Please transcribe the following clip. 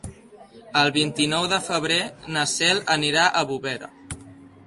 El vint-i-nou de febrer na Cel anirà a Bovera.